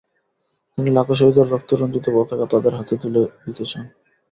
তিনি লাখো শহীদের রক্তে রঞ্জিত পতাকা তাদের হাতে তুলে দিতে চান।